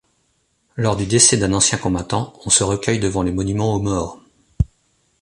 Lors du décès d'un ancien combattant, on se recueille devant le monument aux morts.